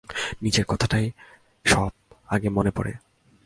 নিজের কথাটাই সব-আগে মনে পড়ে।